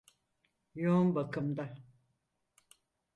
Yoğun bakımda.